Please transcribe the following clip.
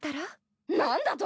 何だと？